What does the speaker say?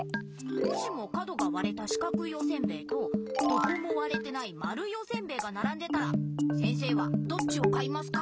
もしも角がわれたしかくいおせんべいとどこもわれてないまるいおせんべいがならんでたら先生はどっちを買いますか？